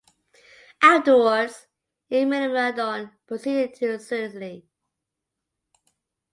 Afterwards, Eurymedon proceeded to Sicily.